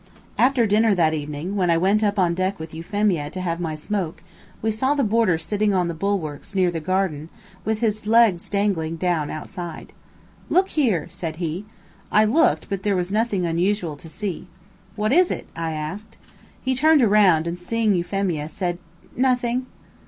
After dinner that evening, when I went up on deck with Euphemia to have my smoke, we saw the boarder sitting on the bulwarks near the garden, with his legs dangling down outside. "Look here!" said he. I looked, but there was nothing unusual to see. "What is it?" I asked. He turned around and seeing Euphemia, said: "Nothing."